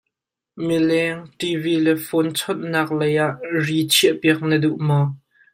Mileng, TV le fawn chawnhnak lei ah ri chiahpiak na duh maw?